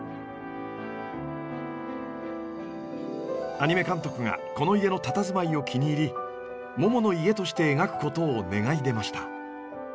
アニメ監督がこの家のたたずまいを気に入りももの家として描くことを願い出ました。